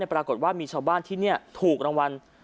ปรากฏว่ามีชาวบ้านที่นี่ถูกรางวัล